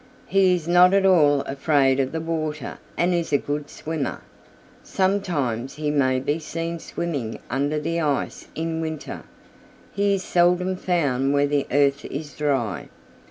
He is not at all afraid of the water and is a good swimmer. Sometimes he may be seen swimming under the ice in winter. He is seldom found where the earth is dry.